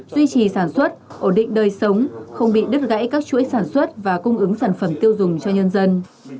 duy trì sản xuất ổn định đời sống không bị đứt gãy các chuỗi sản xuất và cung ứng sản phẩm tiêu dùng cho nhân dân